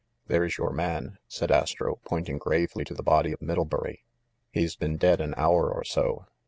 "There's your man," said Astro, pointing gravely to the body of Middlebury. "He's been dead an hour or so.